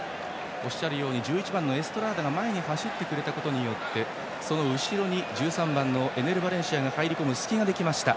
おっしゃるように１１番のエストラーダが前に走ってくれたことでその後ろに１３番のエネル・バレンシアが入り込む隙ができました。